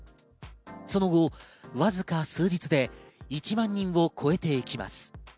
その後わずか数日で１万人を超えていきます。